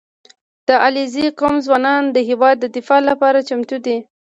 • د علیزي قوم ځوانان د هېواد د دفاع لپاره چمتو دي.